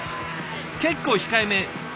結構控えめ。